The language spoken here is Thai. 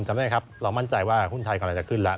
เรามั่นใจว่าหุ้นไทยกำลังจะขึ้นแล้ว